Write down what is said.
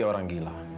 ya allah mahasya allah